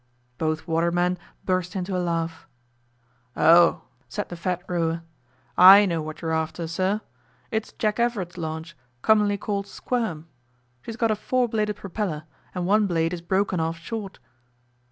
Both watermen burst into a laugh. 'Oh,' said the fat rower, 'I know what you're after, sir it's Jack Everett's launch, commonly called "Squirm". She's got a four bladed propeller, and one blade is broken off short.